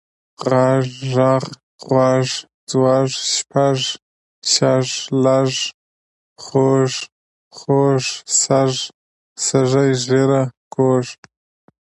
غږ، ږغ، غوَږ، ځوږ، شپږ، شږ، لږ، خوږ، خُوږ، سږ، سږی، ږېره، کوږ،